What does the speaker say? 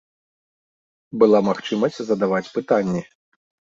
Была магчымасць задаваць пытанні.